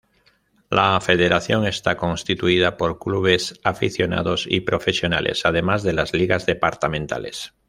La federación está constituida por clubes aficionados y profesionales, además de las ligas departamentales.